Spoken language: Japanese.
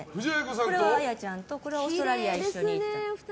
これは、あやちゃんとこれはオーストラリアに一緒に。